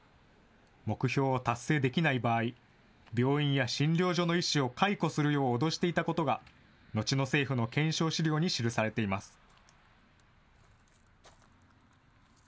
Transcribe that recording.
目標を達成できない場合、病院や診療所の医師を解雇するよう脅していたことが、後の政府の検証資料に記されています。